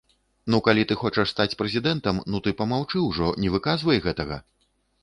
Ну калі ты хочаш стаць прэзідэнтам, ну ты памаўчы ўжо, не выказвай гэтага.